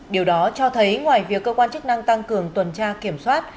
điều đó cho thấy ngoài việc cơ quan chức năng tăng cường tuần tra kiểm soát